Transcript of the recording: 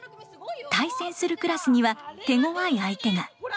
対戦するクラスには手ごわい相手が。